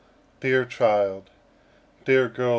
Dear Child! dear Girl!